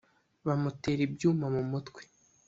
bamutera ibyuma mu mutwe